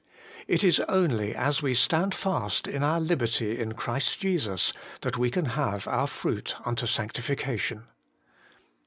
It is only as we ' stand fast in our liberty in Christ Jesus,' that we can have our fruit unto sancti fication.